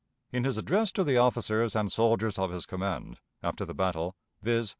In his address to the officers and soldiers of his command, after the battle, viz.